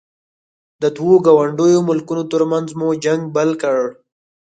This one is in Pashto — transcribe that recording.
د دوو ګاونډیو ملکونو ترمنځ مو جنګ بل کړ.